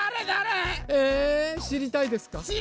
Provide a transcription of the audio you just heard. だれ？えしりたいですか？